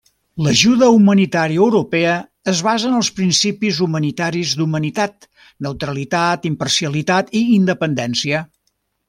L'ajuda humanitària europea es basa en els principis humanitaris d'humanitat, neutralitat, imparcialitat i independència.